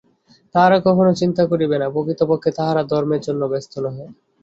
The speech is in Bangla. তাহারা কখনও চিন্তা করিবে না, প্রকৃতপক্ষে তাহারা ধর্মের জন্য ব্যস্ত নহে।